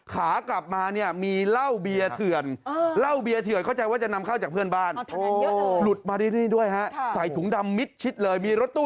ขากลับมาเนี่ย